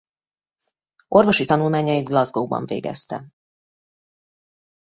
Orvosi tanulmányait Glasgow-ban végezte.